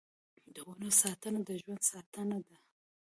د ونو ساتنه د ژوند ساتنه ده.